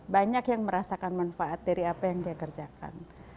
banyak yang merasakan manfaat dari apa yang dia kerjakan